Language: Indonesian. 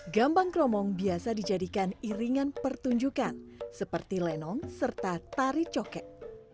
gambang kromong biasa dijadikan iringan pertunjukan seperti lenong serta tari coket